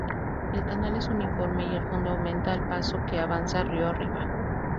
El canal es uniforme y el fondo aumenta al paso que avanza rio arriba.